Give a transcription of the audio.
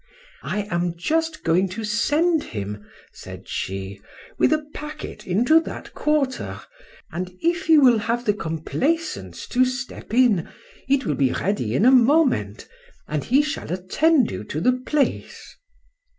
I am just going to send him, said she, with a packet into that quarter, and if you will have the complaisance to step in, it will be ready in a moment, and he shall attend you to the place.